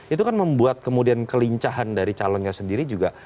itu kan membuat kemudian kelincahan dari calonnya sendiri juga